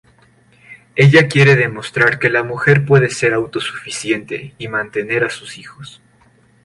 Ella quiere demostrar que la mujer puede ser autosuficiente y mantener a sus hijos.